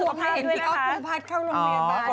ดูแลสุขภาพให้เห็นที่เขาพูดพัดเข้าโรงเรียนบ้าน